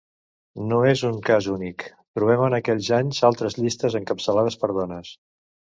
No és un cas únic, trobem en aquells anys altres llistes encapçalades per dones.